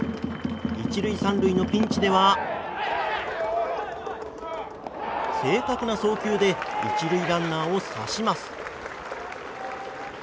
１塁３塁のピンチでは正確な送球で１塁ランナーを刺します。